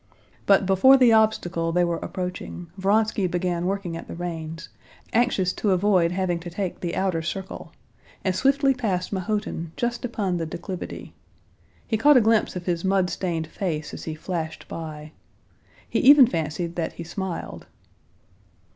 But before the obstacle they were approaching, Vronsky began working at the reins, anxious to avoid having to take the outer circle, and swiftly passed Mahotin just upon the declivity. He caught a glimpse of his mud stained face as he flashed by. He even fancied that he smiled.